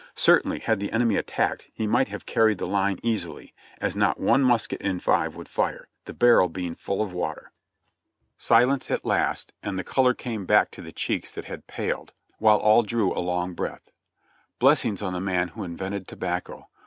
Certainly, had the enemy attacked, he might have carried the line easily, as not one musket in five would fire — the barrel being full of water. I06 JOHNNY REB AND BILI^Y YANK Silence at last, and the color came back to cheeks that had paled, while all drew a long breath. Blessings on the man who invented tobacco